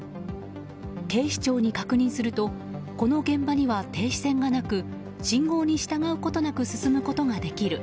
警視庁に確認するとこの現場には停止線がなく信号に従うことなく進むことができる。